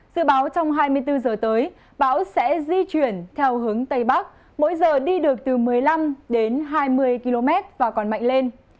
dự báo trong hai mươi bốn giờ tới bão sẽ di chuyển theo hướng tây bắc mỗi giờ đi được từ một mươi năm đến hai mươi km và còn mạnh lên